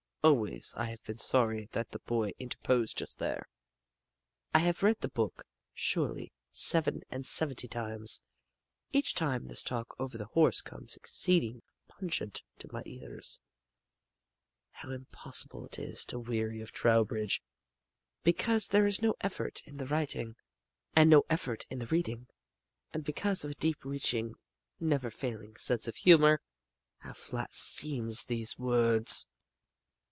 Always I have been sorry that the boy interposed just there. I have read the book surely seven and seventy times. Each time this talk over the horse comes exceeding pungent to my ears. How impossible it is to weary of Trowbridge, because there is no effort in the writing, and no effort in the reading, and because of a deep reaching, never failing sense of humor. How flat seem these words!